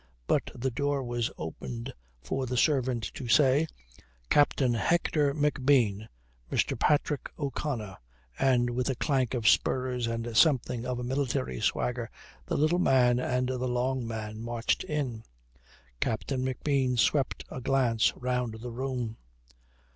But the door was opened for the servant to say: "Captain Hector McBean, Mr. Patrick O'Connor," and with a clank of spurs and something of a military swagger the little man and the long man marched in. Captain McBean swept a glance round the room.